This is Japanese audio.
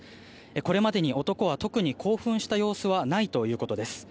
これまでに男は特に興奮した様子はないということです。